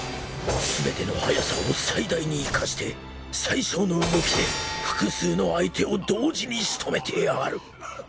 全ての速さを最大に生かして最小の動きで複数の相手を同時に仕留めてやがる！